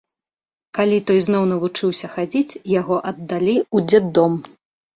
Калі той зноў навучыўся хадзіць, яго аддалі ў дзетдом.